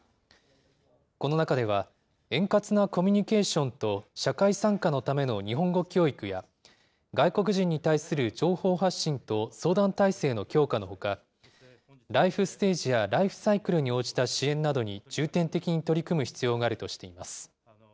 この中では、円滑なコミュニケーションと社会参加のための日本語教育や、外国人に対する情報発信と相談体制の強化のほか、ライフステージやライフサイクルに応じた支援などに重点的に取り組む必要があるとしています。